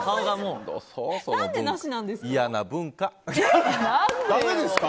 嫌な文化。